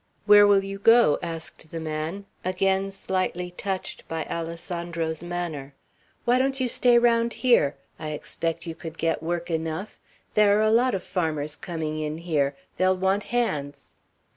"Where will you go?" asked the man, again slightly touched by Alessandro's manner. "Why don't you stay round here? I expect you could get work enough; there are a lot of farmers coming in here; they'll want hands."